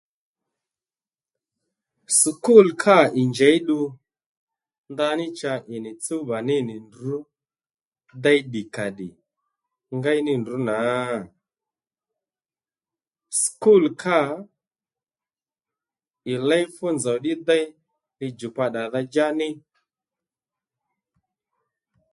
Sukûl kâ ì njěy ddu ndaní cha ì nì tsúwba ní nì ndrǔ déy ddìkàddì ngéy ní ndrǔ nà? Sukûl kâ ì léy fú nzòw ddí déy li-djùkpa ddàdha-djá ní